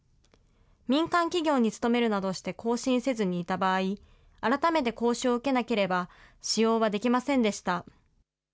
民間企業に勤めるなどして更新せずにいた場合、改めて講習を受けなければ、使用はできませんでした。